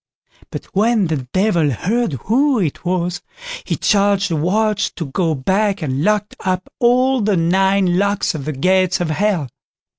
But when the Devil heard who it was, he charged the watch to go back and lock up all the nine locks on the gates of Hell.